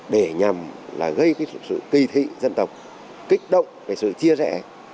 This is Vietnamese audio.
để nhằm gây sự kì thị dân tộc kích động về sự chia rẽ